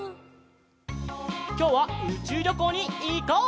きょうはうちゅうりょこうにいこう！